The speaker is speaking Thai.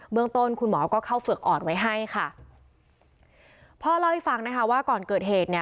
เมืองต้นคุณหมอก็เข้าเฝือกอ่อนไว้ให้ค่ะพ่อเล่าให้ฟังนะคะว่าก่อนเกิดเหตุเนี่ย